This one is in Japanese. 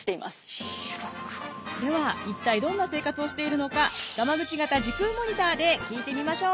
では一体どんな生活をしているのかガマグチ型時空モニターで聞いてみましょう。